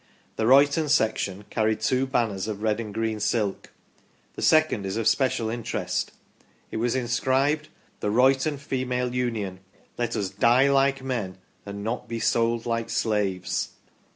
The Royton section carried two banners of red and green silk. The second is of special interest ; it was inscribed " The Royton Female Union Let us DIE like Men and Not be Sold like Slaves